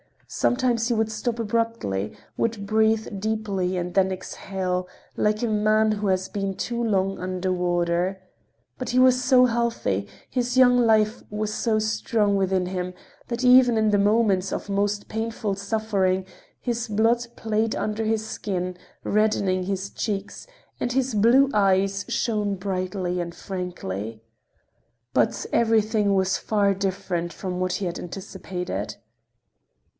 Sometimes he would stop abruptly, would breathe deeply and then exhale like a man who has been too long under water. But he was so healthy, his young life was so strong within him, that even in the moments of most painful suffering his blood played under his skin, reddening his cheeks, and his blue eyes shone brightly and frankly. But everything was far different from what he had anticipated.